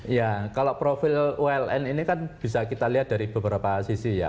ya kalau profil uln ini kan bisa kita lihat dari beberapa sisi ya